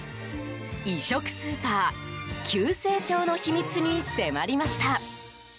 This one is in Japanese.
異色スーパー急成長の秘密に迫りました。